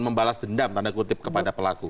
membalas dendam tanda kutip kepada pelaku